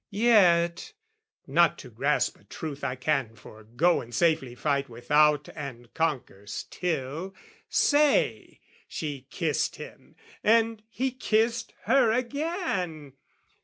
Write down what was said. Yet, not to grasp a truth I can forego And safely fight without and conquer still, Say, she kissed him, and he kissed her again!